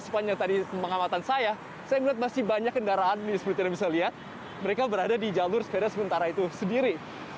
sepanjang tadi pengamatan saya saya melihat masih banyak kendaraan seperti yang bisa lihat mereka berada di jalur sepeda sementara itu sendiri